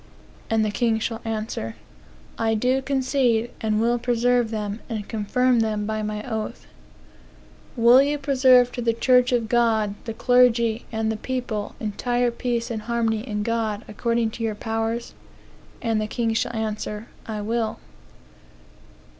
(And the king shall answer,) I do concede, and will preserve them, and confirm them by my oath. Will yon preserve to the church of God, the clergy, and the people, entire peace and harmony in God, according to your powers? (And the king shall answer,) I will.